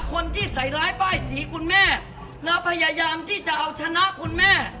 คนที่ใส่ร้ายป้ายสีคุณแม่นะพยายามที่จะเอาชนะคุณแม่